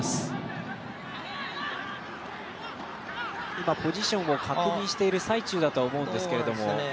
今、ポジションを確認している最中だとは思うんですけど。